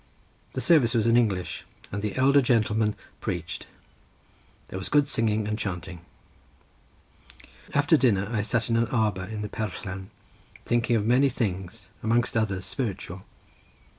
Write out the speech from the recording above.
The service was in English, and the elder gentleman preached; there was good singing and chanting. After dinner I sat in an arbour in the perllan thinking of many things, amongst others, spiritual.